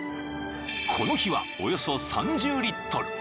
［この日はおよそ３０リットル］